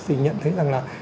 thì nhận thấy rằng là